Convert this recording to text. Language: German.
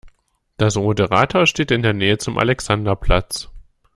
Das Rote Rathaus steht in der Nähe zum Alexanderplatz.